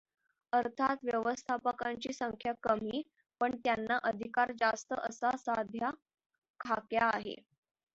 अर्थात व्यवस्थापकांची संख्या कमी, पण त्यांना अधिकार जास्त असा सध्याचा खाक्या आहे.